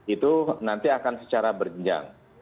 itu nanti akan secara berjenjang